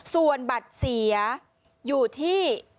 ส่วนบัตรเสียอยู่ที่